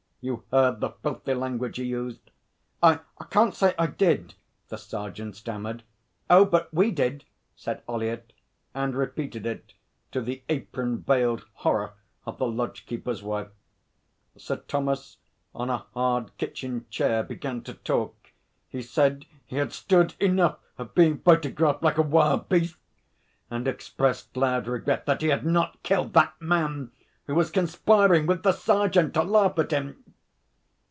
You heard the filthy language he used.' 'I I can't say I did,' the sergeant stammered. 'Oh, but we did!' said Ollyett, and repeated it, to the apron veiled horror of the lodge keeper's wife. Sir Thomas on a hard kitchen chair began to talk. He said he had 'stood enough of being photographed like a wild beast,' and expressed loud regret that he had not killed 'that man,' who was 'conspiring with the sergeant to laugh at him.'